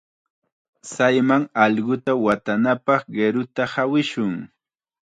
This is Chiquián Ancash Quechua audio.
Chayman allquta watanapaq qiruta hawishun.